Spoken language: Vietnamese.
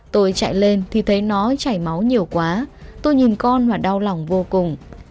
tôi chạy lên thì thấy nó chảy máu nhiều quá tôi nhìn con và đau lòng vô cùng